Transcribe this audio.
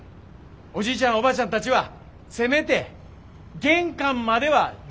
おじいちゃんおばあちゃんたちはせめて玄関までは出てきてください。